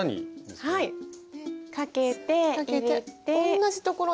同じところに？